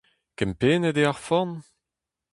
Kempennet eo ar forn ?